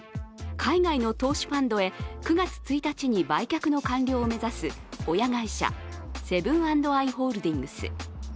海外の投資ファンドへ９月１日に売却の完了を目指す、親会社セブン＆アイ・ホールディングス。